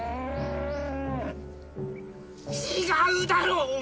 違うだろうお前！